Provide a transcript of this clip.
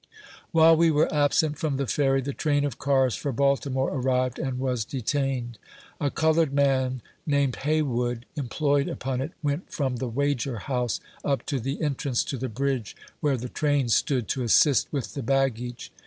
While we were absent from the Ferry, the train of cars for Baltimore arrived, and was detained. A colored man named Haywood, employed upon it, went from the Wager House up to the en trance to the bridge, where the train stood, to assist with the baggage.